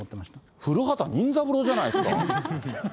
古畑任三郎じゃないですか。